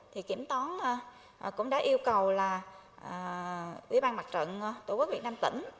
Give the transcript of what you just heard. thì kiểm toán cũng đã yêu cầu là ủy ban mặt trận tổ quốc việt nam tỉnh